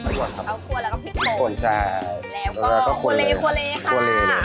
เขาควนแล้วก็พริกโหลดค่ะแล้วก็ควนเลยค่ะควนเลยเลย